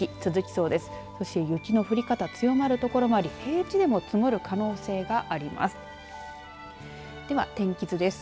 そして、雪の降り方強まる所もあり平地でも積もる可能性があります。